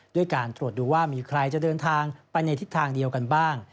ด้วยการตรวจดูว่ามีใครจะเดินทางไปในทิศทางเดียวกันบ้าง